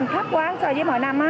khắp quá so với mọi năm